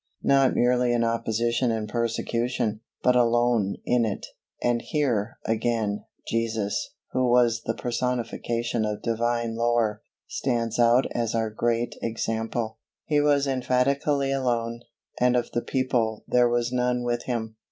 _ Not merely in opposition and persecution, but alone in it, and here, again, Jesus, who was the personification of Divine lore, stands out as our great example. He was emphatically alone, and of the people there was none with Him.